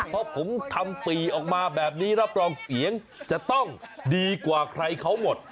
เพราะผมทำปีออกมาแบบนี้รับรองเสียงจะต้องดีกว่าใครเขาหมด